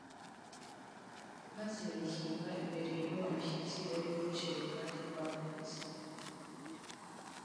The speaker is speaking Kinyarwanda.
Maze rishyirwa imbere y'uwo mushyitsi wari wicaye iruhande rw'ameza.